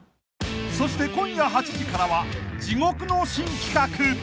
［そして今夜８時からは地獄の新企画］